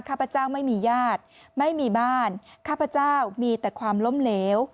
ข้าพเจ้าไม่มีญาติไม่มีบ้านข้าพเจ้ามีแต่ความล้มเหลว